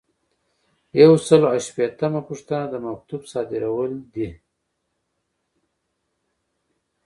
یو سل او شپیتمه پوښتنه د مکتوب صادرول دي.